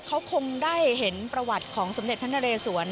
เขาคงได้เห็นประวัติของสมเด็จพระนเรศวร